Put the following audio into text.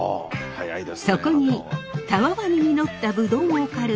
そこにたわわに実ったぶどうを狩る